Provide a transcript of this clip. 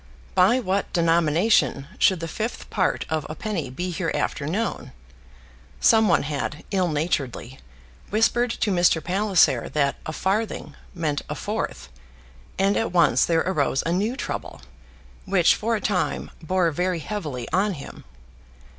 By what denomination should the fifth part of a penny be hereafter known? Some one had, ill naturedly, whispered to Mr. Palliser that a farthing meant a fourth, and at once there arose a new trouble, which for a time bore very heavily on him.